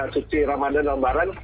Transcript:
suci ramadhan dan lebaran